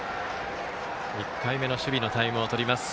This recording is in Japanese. １回目の守備のタイムをとります。